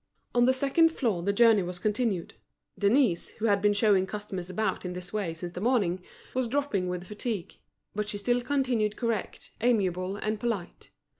On the second floor the journey was continued. Denise, who had been showing customers about in this way since the morning, was dropping with fatigue; but she still continued correct, amiable, and polite.